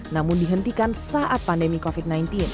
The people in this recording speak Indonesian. namun dihentikan saat pandemi covid sembilan belas